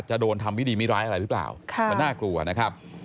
จะโดนทำไม่ดีไม่ร้ายอะไรหรือเปล่ามันน่ากลัวนะครับ